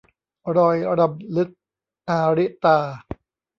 รอยรำลึก - อาริตา